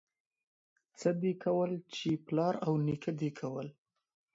څه دي کول، چې پلار او نيکه دي کول.